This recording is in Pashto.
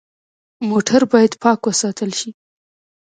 موټر باید پاک وساتل شي.